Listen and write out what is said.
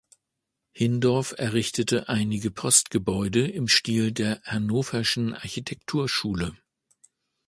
Hindorf errichtete einige Postgebäude im Stil der Hannoverschen Architekturschule.